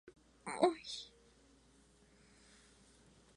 Primera categoría de fútbol de Pichincha.